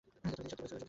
তিনি সত্যিই বলছিলেন।